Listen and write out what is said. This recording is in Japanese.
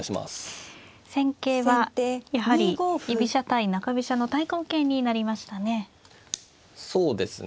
戦型はやはり居飛車対中飛車の対抗型になりましたね。